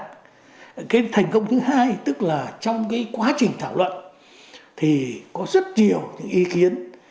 cái thành công thứ hai tức là trong cái quá trình thảo luận thì có rất nhiều những ý kiến